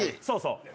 そうそう。